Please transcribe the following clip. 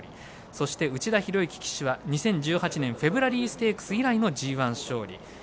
そして、内田博幸騎手は２０１８年フェブラリーステークス以来のＧＩ勝利。